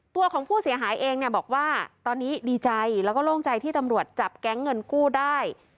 ตัวของผู้เสียหายเองเนี่ยบอกว่าตอนนี้ดีใจแล้วก็โล่งใจที่ตำรวจจับแก๊งเงินกู้ได้